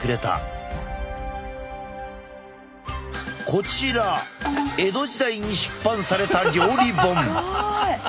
こちら江戸時代に出版された料理本。